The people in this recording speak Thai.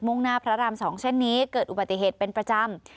่งหน้าพระราม๒เส้นนี้เกิดอุบัติเหตุเป็นประจำ